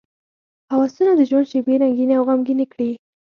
هوسونه د ژوند شېبې رنګینې او غمګینې کړي.